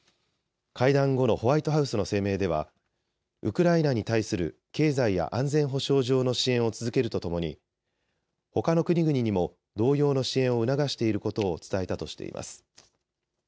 会談後のホワイトハウスの声明ではウクライナに対する経済や安全保障上の支援を続けるとともにほかの国々にも同様の支援を促していることを伝えたとしています。